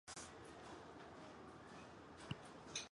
我没有想过